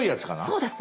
そうです。